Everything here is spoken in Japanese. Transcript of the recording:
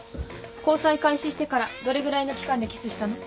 交際開始してからどれぐらいの期間でキスしたの？